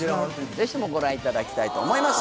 ぜひともご覧いただきたいと思います。